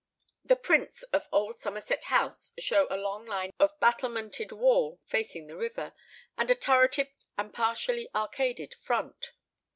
The prints of old Somerset House show a long line of battlemented wall facing the river, and a turreted and partially arcaded front.